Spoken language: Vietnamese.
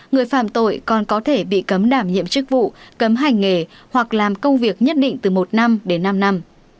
người phạm tội còn có thể bị cấm đảm nhiệm chức vụ cấm hành nghề hoặc làm công việc nhất định từ một năm đến năm năm